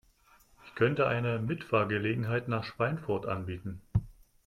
Ich könnte eine Mitfahrgelegenheit nach Schweinfurt anbieten